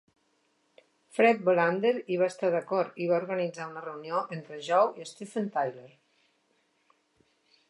Fred Bohlander hi va estar d'acord i va organitzar una reunió entre Joe i Steven Tyler.